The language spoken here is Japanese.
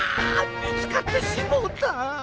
見つかってしもうた！